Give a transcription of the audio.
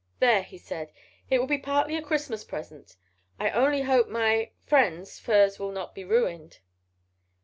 "There," he said, "it will be partly a Christmas present. I only hope my—friend's furs will not be ruined."